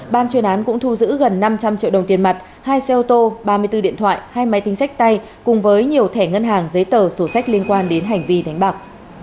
ban chuyên án cũng thu giữ gần năm trăm linh triệu đồng tiền mặt hai xe ô tô ba mươi bốn điện thoại hai máy tính sách tay cùng với nhiều thẻ ngân hàng giấy tờ sổ sách liên quan đến hành vi đánh bạc